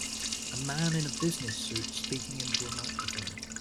A man in a business suit speaking into a microphone.